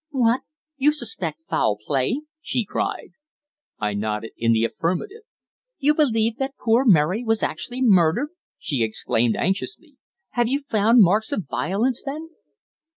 "What? You suspect foul play?" she cried. I nodded in the affirmative. "You believe that poor Mary was actually murdered?" she exclaimed, anxiously. "Have you found marks of violence, then?"